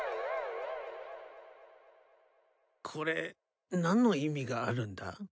これ何の意味があるんだ？